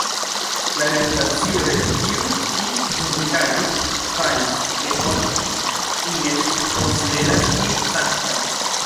La reputacio de tiu ĉi muzikaĵo faris, ke oni iel konsideras ĝin sankta.